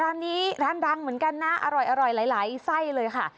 ร้านนี้ร้านดังเหมือนกันนะอร่อยหลายไส้เลยค่ะ